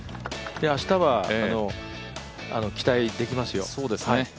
明日は期待できますよ。